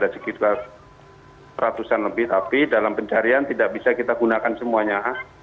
sekitar ratusan lebih tapi dalam pencarian tidak bisa kita gunakan semuanya